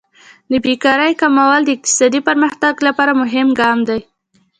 د بیکارۍ کمول د اقتصادي پرمختګ لپاره مهم ګام دی.